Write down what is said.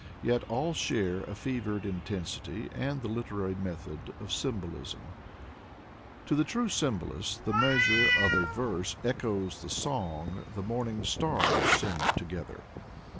Yet all share a fevered intensity and the literary method of symbolism. To the true symbolist the measure of a verse echoes the song the morning stars sing together.